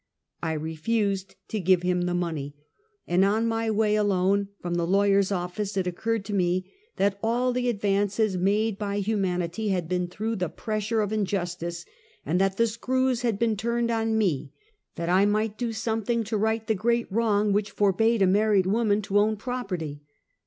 I refused to give him the money, and on my way alone from the lawyer's office it occurred to me that all the advances made by humanity had been through the pressure of injustice, and that the screws had been turned on me that I might do something to right the great wrong which forbade a married woman to ovm property.